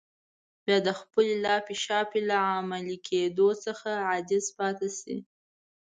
بيا د خپلې لاپې شاپې له عملي کېدو څخه عاجز پاتې شي.